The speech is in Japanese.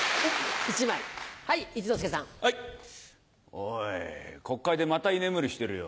おい国会でまた居眠りしてるよ。